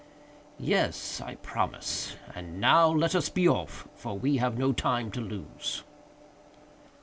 "Yes; I promise; and now let us be off, for we have no time to lose."